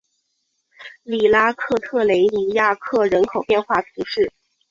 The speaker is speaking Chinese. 里拉克特雷尼亚克人口变化图示